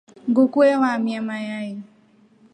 Nguku ewamia mayai.